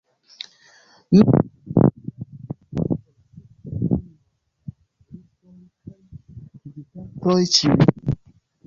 Nun vizitas ĝin pli ol sep milionoj da turistoj kaj vizitantoj ĉiujare.